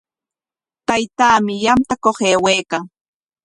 Taytaami yantakuq aywaykan.